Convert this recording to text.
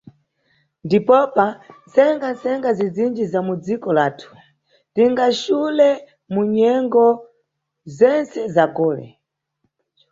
Ndipopa, mcenga-cenga zizinji za mu dziko lathu, tingachule mu nyengo zentse za gole.